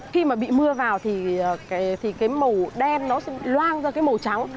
khi mà bị mưa vào thì cái màu đen nó sẽ loang ra cái màu trắng